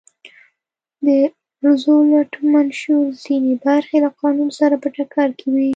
د روزولټ منشور ځینې برخې له قانون سره په ټکر کې وې.